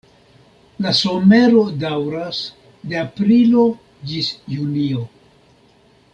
La somero daŭras de aprilo ĝis junio.